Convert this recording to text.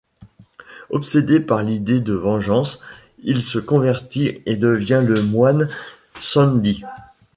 Obsédé par l'idée de vengeance, il se convertit, et devient le moine San De.